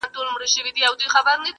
نه په زرو یې سو د باندي را ایستلای!.